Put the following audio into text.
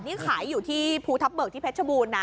นี่ขายอยู่ที่ภูทับเบิกที่เพชรบูรณนะ